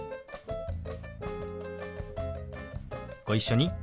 ご一緒に。